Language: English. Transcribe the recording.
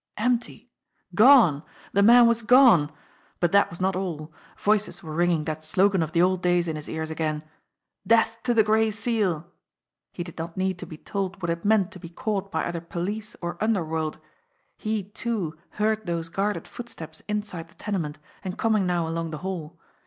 Empty ! Gone ! The man was gone ! But that was not all ! Voices were ringing that slogan of the old days in his ears again : "Death to the Gray Seal !" He did not need to be told what it meant to be caught by either police or underworld. He, too, heard those guarded footsteps inside the tenement and coming now along the hall.